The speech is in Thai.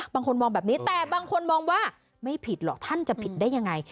บางคนมองแบบนี้แต่บางคนมองว่าไม่ผิดหรอกท่านจะผิดได้ยังไง